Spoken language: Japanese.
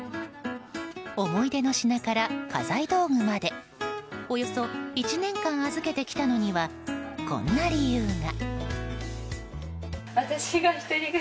思い出の品から家財道具までおよそ１年間預けてきたのにはこんな理由が。